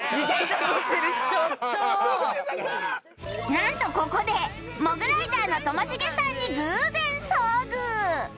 なんとここでモグライダーのともしげさんに偶然遭遇